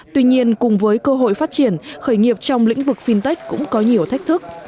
tuy nhiên cùng với cơ hội phát triển khởi nghiệp trong lĩnh vực fintech cũng có nhiều thách thức